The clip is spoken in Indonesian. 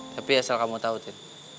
tapi asal kamu tau cin